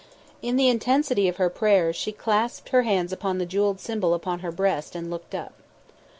In the intensity of her prayer she clasped her hands upon the jewelled symbol upon her breast and looked up.